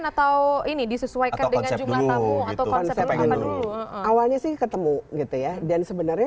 atau ini disesuaikan dengan jumlah kamu atau konsep awalnya sih ketemu gitu ya dan sebenarnya